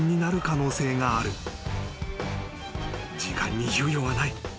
［時間に猶予はない］